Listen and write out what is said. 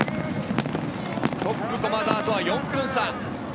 トップ駒澤とは４分差。